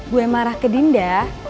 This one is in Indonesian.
gue marah ke dinda